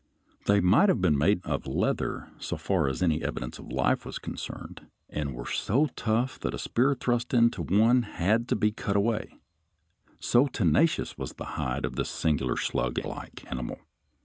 They might have been made of leather, so far as any evidence of life was concerned, and were so tough that a spear thrust into one had to be cut away, so tenacious was the hide of this singular sluglike animal.